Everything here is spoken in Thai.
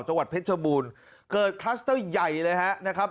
จังหวัดเพชรบูรณ์เกิดคลัสเตอร์ใหญ่เลยฮะนะครับ